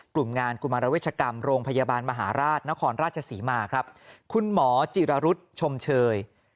กลุ่มงานกุมารเวชกรรมโรงพยาบาลมหาราชนครราชศรีมาครับคุณหมอจิรรุษชมเชย